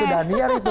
itu daniar itu